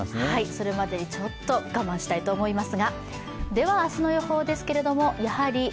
それまでにちょっと我慢したいと思います。